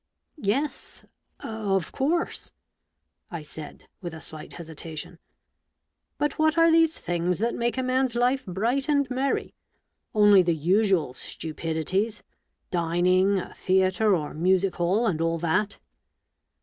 " Yes — of course !" I said, with a slight hesitation, " But what are these things that make a man's life bright and merry ? Only the usual stupidities — dining, a theatre or music hall, and all that